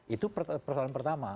itu persoalan pertama